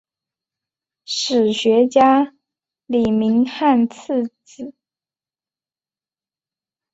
史学家李铭汉次子。